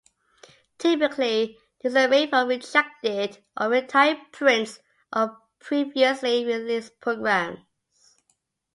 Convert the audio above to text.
Typically, this is made from rejected or retired prints of previously released programs.